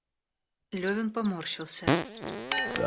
Левин поморщился.